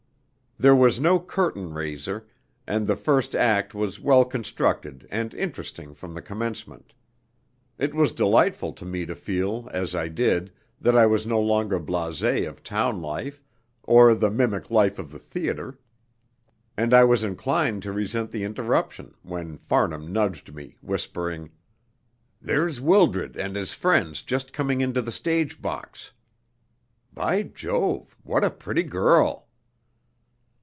There was no curtain raiser, and the first act was well constructed and interesting from the commencement. It was delightful to me to feel, as I did, that I was no longer blasé of town life, or the mimic life of the theatre, and I was inclined to resent the interruption when Farnham nudged me, whispering "There's Wildred and his friends just coming into the stage box. By Jove! what a pretty girl!"